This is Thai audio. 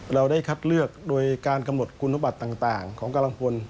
เราได้คัดเลือกโดยการกำหนดคุณบัตรต่างของกำลังพล